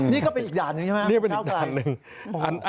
นี่ก็เป็นอีกด่านหนึ่งใช่มะ